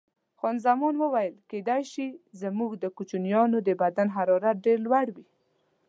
خان زمان وویل: کېدای شي، زموږ د کوچنیانو د بدن حرارت ډېر لوړ وي.